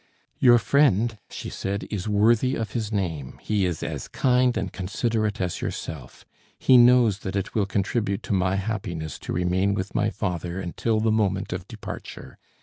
"Your friend," she said, "is worthy of his name; he is as kind and considerate as yourself. He knows that it will contribute to my happiness to remain with my father until the moment of departure.